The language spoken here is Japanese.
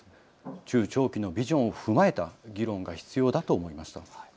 中長期のビジョンを踏まえた議論が必要だと思いました。